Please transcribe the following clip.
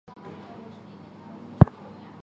他加入来自威尔士的自由党人的团体。